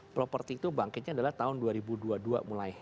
properti itu bangkitnya adalah tahun dua ribu dua puluh dua mulai